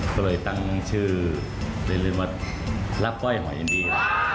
ก็เลยตั้งชื่อเล่นว่ารักก้อยหอยอินดี